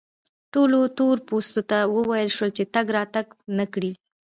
ټولو تور پوستو ته وویل شول چې تګ راتګ و نه کړي.